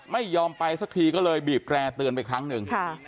ไม่ยอมไปสักทีก็เลยบีบแร่เตือนไปครั้งหนึ่ง